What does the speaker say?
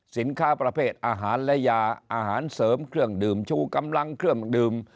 สินค้าประเภทอาหารและยาอาหารเสริมเครื่องดื่มชูกำลังเครื่องดื่ม